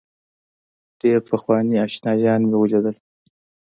ډېر پخواني آشنایان مې ولیدل.